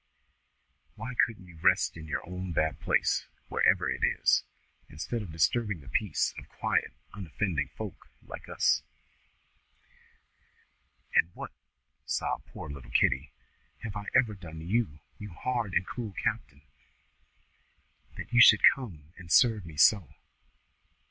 Why couldn't you rest in your own bad place, wherever it is, instead of disturbing the peace of quiet unoffending folk like us?" "And what," sobbed the poor little Kitty, "have I ever done to you, you hard and cruel captain, that you should come and serve me so?"